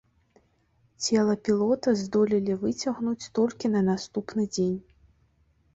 Цела пілота здолелі выцягнуць толькі на наступны дзень.